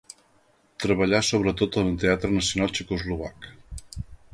Treballà sobretot en el Teatre Nacional Txecoslovac.